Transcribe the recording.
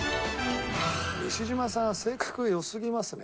西島さんは性格が良すぎますね。